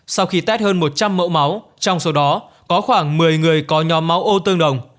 sau khi test hơn một trăm linh mẫu máu trong số đó có khoảng một mươi người có nhóm máu ô tương đồng